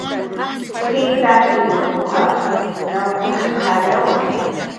"P""iy t""akin upaq nawn t""aj qallyawi"